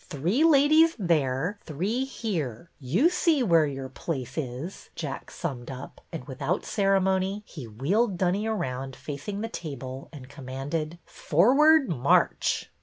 Three ladies there, three here. You see where your place is," Jack summed up, and with out ceremony he wheeled Dunny around facing the table and commanded: Forward, march